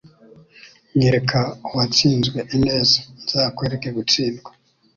Nyereka uwatsinzwe ineza nzakwereka gutsindwa.”